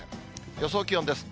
予想気温です。